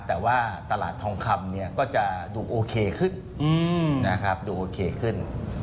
แต่ว่าตลาดทองคำก็จะดูโอเคขึ้น